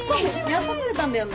やっと来れたんだよね。